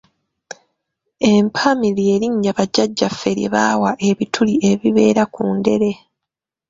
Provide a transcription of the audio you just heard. Empami ly’erinnya bajjajjaffe lye baawa ebituli ebibeera ku ndere.